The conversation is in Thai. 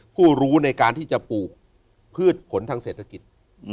ผู้รู้ในการที่จะปลูกพืชผลทางเศรษฐกิจ